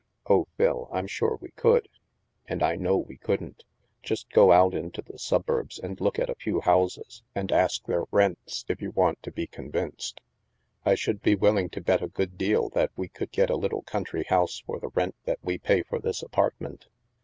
" Oh, Phil, I'm sure we could." " And I know we couldn't. Just go out into the suburbs, and look at a few houses, and ask their rents, if you want to be convinced." " I should be willing to bet a good deal that we could get a little country house for the rent that we pay for this apartment."